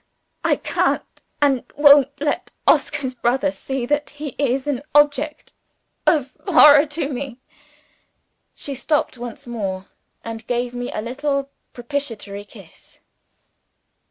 I can't, and won't let Oscar's brother see that he is an object of horror to me." She stopped once more, and gave me a little propitiatory kiss.